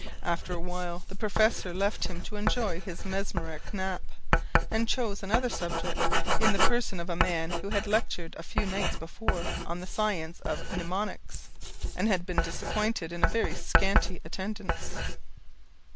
After a while, the professor left him to enjoy his mesmeric nap, and chose another subject, in the person of a man who had lectured a few nights before on the science of mnemonics, and had been disappointed in a very scanty attendance.